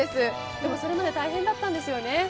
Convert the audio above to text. でもそれまで大変だったんですよね？